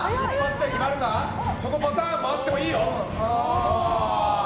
そのパターンもあってもいいよ。